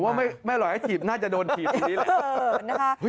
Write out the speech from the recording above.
ผมว่าไม่อร่อยให้ฉีดน่าจะโดนฉีดอย่างนี้แหละ